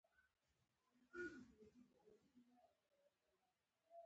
د بشر د تاریخ د قربانیو پر وړاندې.